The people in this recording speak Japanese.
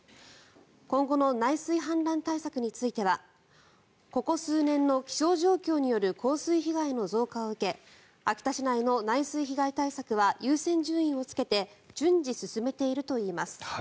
今後の内水氾濫対策についてはここ数年の気象状況による降水被害の増加を受け秋田市内の内水被害対策は優先順位をつけて順次進めているといいます。